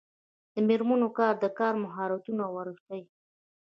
د میرمنو کار د کار مهارتونه ورښيي.